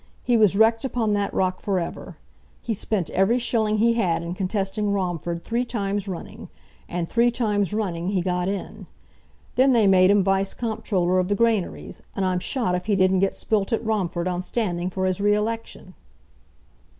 He was wrecked upon that rock for ever. He spent every shilling he had in contesting Romford three times running, and three times running he got in. Then they made him Vice Comptroller of the Granaries, and I'm shot if he didn't get spilt at Romford on standing for his re election!"